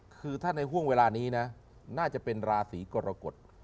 คือถ้าในห่วงเวลานี้นะน่าจะเป็นราศีกรกฎ